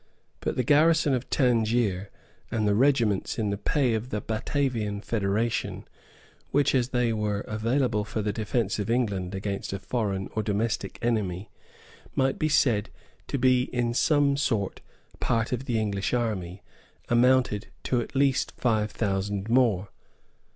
But the garrison of Tangier and the regiments in the pay of the Batavian federation, which, as they were available for the defence of England against a foreign or domestic enemy, might be said to be in some sort part of the English army, amounted to at least five thousand more.